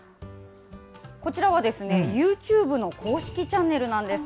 こちらはユーチューブの公式チャンネルなんです。